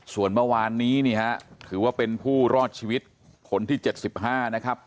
ส่วนเมื่อวานนี้ถือว่าเป็นผู้รอดชีวิตคนที่๗๕นะครับ